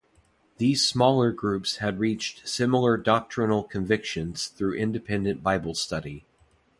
These small groups had reached similar doctrinal convictions through independent Bible study.